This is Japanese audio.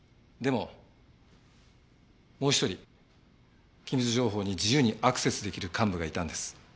でももう一人機密情報に自由にアクセスできる幹部がいたんです。